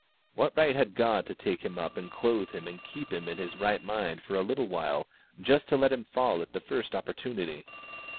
What right had God to take him up and clothe him and keep him in his right mind for a little while, just to let him fall at the first opportunity?